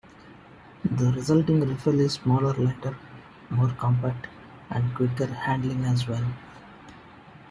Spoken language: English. The resulting rifle is smaller, lighter, more compact, and quicker handling as well.